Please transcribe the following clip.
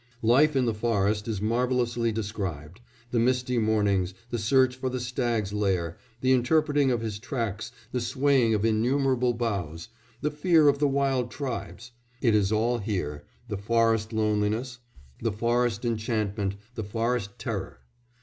Life in the forest is marvellously described the misty mornings, the search for the stag's lair, the interpreting of his tracks, the swaying of innumerable boughs, the fear of the wild tribes; it is all here the forest loneliness, the forest enchantment, the forest terror.